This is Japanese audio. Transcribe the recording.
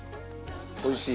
おいしい？